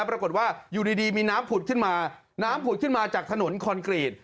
ปรากฏว่าอยู่ดีมีน้ำผุดขึ้นมาน้ำผุดขึ้นมาจากถนนคอนกรีต